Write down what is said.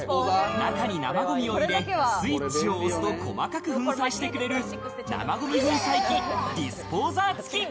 中に生ゴミを入れスイッチを押すと細かく粉砕してくれる生ゴミ粉砕器ディスポーザー付き。